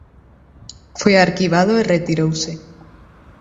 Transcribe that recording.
Foi arquivado e retirouse.